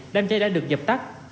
đám cháy đã được dập tắt